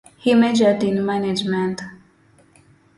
He majored in management.